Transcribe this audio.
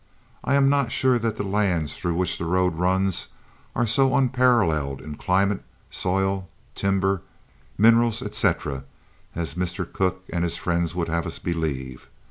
"I am not sure that the lands through which the road runs are so unparalleled in climate, soil, timber, minerals, etc., as Mr. Cooke and his friends would have us believe.